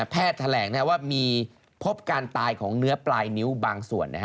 แถลงว่ามีพบการตายของเนื้อปลายนิ้วบางส่วน